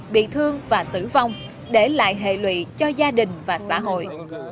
bị thương và tử vong để lại hệ lụy cho gia đình và xã hội